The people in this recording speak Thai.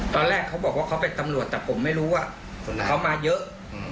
ตอนแรกเขาบอกว่าเขาเป็นตำรวจแต่ผมไม่รู้ว่าเขามาเยอะ